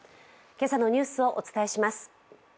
今朝のニュースをお伝えします。